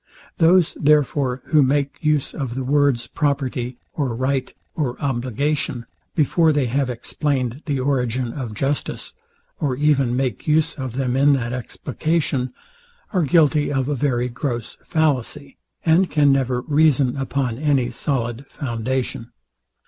Those, therefore, who make use of the words property, or right, or obligation, before they have explained the origin of justice, or even make use of them in that explication, are guilty of a very gross fallacy, and can never reason upon any solid foundation.